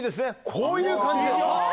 こういう感じで。